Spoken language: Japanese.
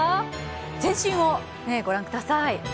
全身をご覧ください。